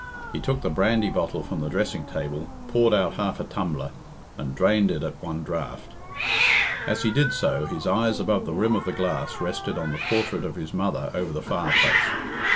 He took the brandy bottle from the dressing table, poured out half a tumbler, and drained it at one draught. As he did so, his eyes above the rim of the glass rested on the portrait of his mother over the fireplace.